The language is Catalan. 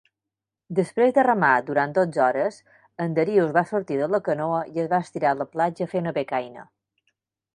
Desprès de remar durant dotze hores, en Darius va sortir de la canoa i es va estirar a la platja a fer una becaina.